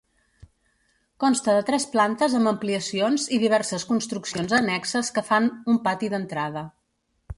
Consta de tres plantes amb ampliacions i diverses construccions annexes que fan un pati d'entrada.